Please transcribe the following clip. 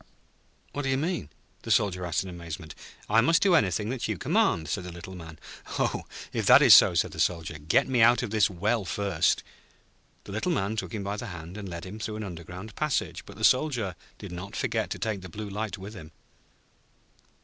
'What do you mean?' the Soldier asked in amazement. 'I must do anything that you command,' said the Little Man. 'Oh, if that is so,' said the Soldier, 'get me out of this well first.' The Little Man took him by the hand, and led him through an underground passage; but the Soldier did not forget to take the Blue Light with him.